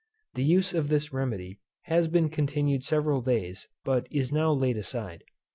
The use of this remedy has been continued several days, but is now laid aside.